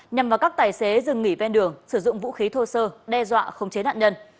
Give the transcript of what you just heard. nhằm vào các tài xế dừng nghỉ ven đường sử dụng vũ khí thô sơ đe dọa khống chế nạn nhân